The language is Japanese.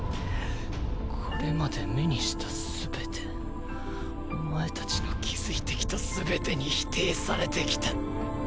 これまで目にした全ておまえ達の築いてきた全てに否定されてきた。